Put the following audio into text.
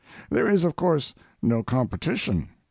There is, of course, no competition.